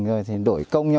rồi đổi công nhau